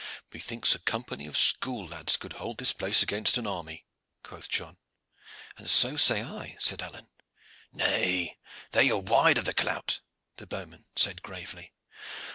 "Methinks a company of school lads could hold this place against an army," quoth John. "And so say I," said Alleyne. "Nay, there you are wide of the clout," the bowman said gravely.